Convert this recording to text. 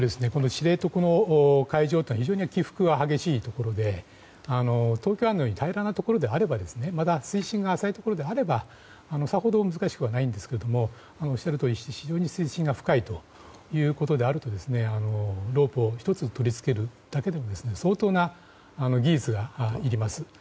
知床の海上は起伏が激しいところで東京湾のように平らなところであればまた、水深が浅いところであればさほど難しくないんですが非常に水深が深いということであるとロープを１つ取り付けるだけでも相当な技術がいります。